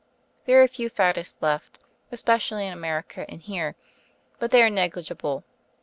There are a few faddists left, especially in America and here; but they are negligible.